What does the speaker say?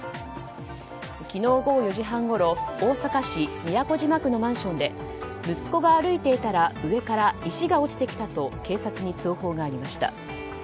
昨日午後４時半ごろ大阪市都島区のマンションで息子が歩いていたら上から石が落ちてきたと警察に通報がありました。